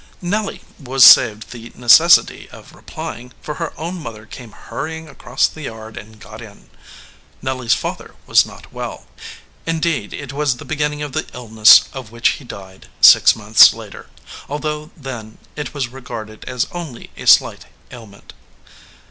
Nelly was saved the necessity of replying, for her own mother came hurrying across the yard and got in. Nelly s father was not well. Indeed, it was the beginning of the illness of which he died six months later, although then it was regarded as only a slight ailment.